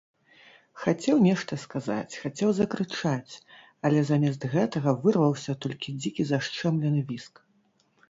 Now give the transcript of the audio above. Хацеў нешта сказаць, хацеў закрычаць, але замест гэтага вырваўся толькі дзікі зашчэмлены віск.